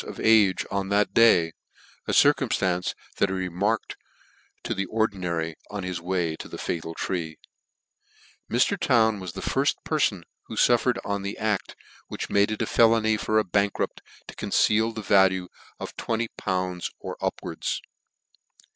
of age on that day : a circumftance that he re marked to the Ordinary, on his way to the fatal tree, Mr. Town was the firit perfon who fufifered on the aft which made it felony for a bankrupt to conceal the value of 20!. or upwards.